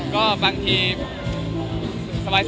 ก็บางทีสบาย